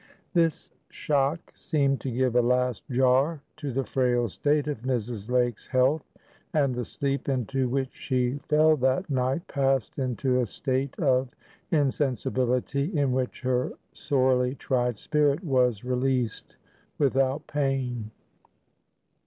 THIS shock seemed to give a last jar to the frail state of Mrs. Lake's health, and the sleep into which she fell that night passed into a state of insensibility in which her sorely tried spirit was released without pain.